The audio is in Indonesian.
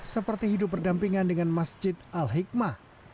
seperti hidup berdampingan dengan masjid al hikmah